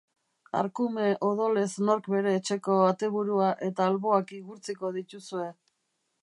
Arkume odolez nork bere etxeko ateburua eta alboak igurtziko dituzue.